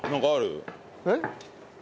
えっ？